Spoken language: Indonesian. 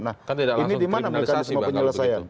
nah ini dimana mereka semua penyelesaian